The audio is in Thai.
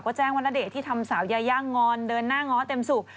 ก็แจ้งว่าณเดชน์ที่ทำสาวยาย่างอนเดินหน้าง้อเต็มสุก